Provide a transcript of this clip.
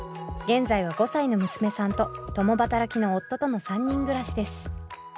現在は５歳の娘さんと共働きの夫との３人暮らしです。